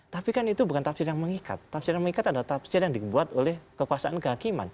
tapi kan itu bukan tafsir yang mengikat tafsir yang mengikat adalah tafsir yang dibuat oleh kekuasaan kehakiman